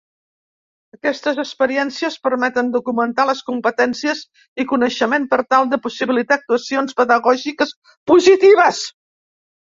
Aquestes experiències permeten documentar les competències i coneixements per tal de possibilitar actuacions pedagògiques positives.